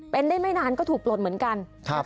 เป็นได้ไม่นานก็ถูกปลดเหมือนกัน